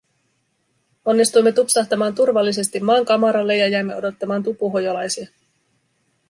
Onnistuimme tupsahtamaan turvallisesti maankamaralle ja jäimme odottamaan tupuhojolaisia.